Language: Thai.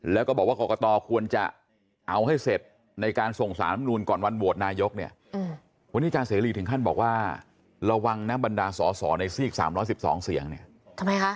แล้วก็บอกว่ากรกฎาควรจะเอาให้เสร็จในการส่งสารมนุนก่อนวันโหวตนายก